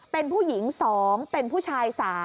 เป็นผู้หญิง๒เป็นผู้ชาย๓